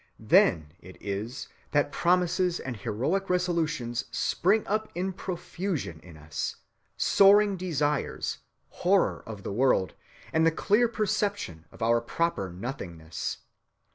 Then it is that promises and heroic resolutions spring up in profusion in us, soaring desires, horror of the world, and the clear perception of our proper nothingness....